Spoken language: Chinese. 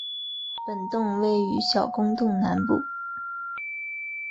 本洞位于小公洞南部。